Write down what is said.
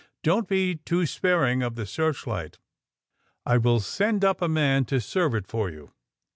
*^ Don't be too sparing of the searchlight. I will send up a man to serve it for you."